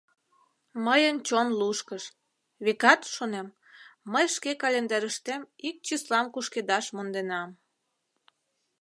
Мыйын чон лушкыш, векат, шонем, мый шке календарьыштем ик числам кушкедаш монденам.